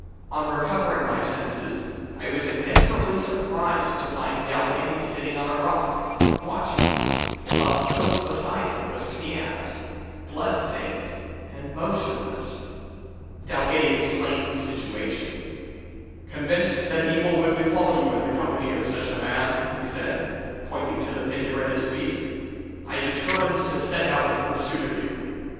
On recovering my senses, I was immeasurably surprised to find Dalghetty sitting on a rock watching me, whilst close beside him was Kniaz, bloodstained and motionless. "Dalghetty explained the situation. 'Convinced that evil would befall you in the company of such a man,' he said, pointing to the figure at his feet, 'I determined to set out in pursuit of you.